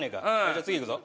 じゃあ次いくぞ。